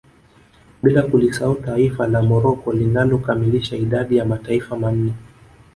Bila kulisahau taifa la Morocco linalo kamilisha idadi ya mataifa manne